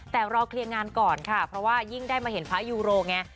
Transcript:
แต่รอเคลียร์งานก่อนค่ะเพราะว่ายิ่งได้มาเห็นพระยูโรไง